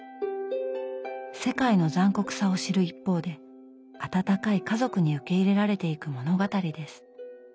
世界の残酷さを知る一方で温かい家族に受け入れられていく物語です。